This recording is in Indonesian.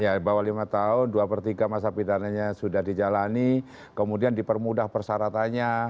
ya di bawah lima tahun dua per tiga masa pidananya sudah dijalani kemudian dipermudah persyaratannya